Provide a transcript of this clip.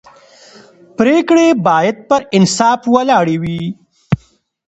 پرېکړې باید پر انصاف ولاړې وي